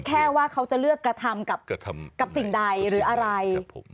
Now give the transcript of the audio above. แค่ว่าเขาจะเลือกกระทำกับสิ่งใดหรืออะไร